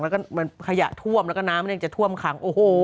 แล้วก็มันขยะท่วมแล้วก็น้ำเนี่ยจะท่วมขังโอ้โห